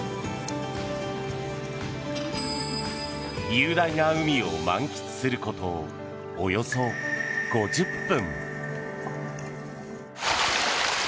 雄大な海を満喫することおよそ５０分。